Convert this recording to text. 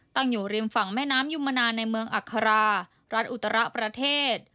ตั้งอยู่ริมฝั่งแม่น้ำยุมนาในเมืองอัครารัฐอุตระประเทศ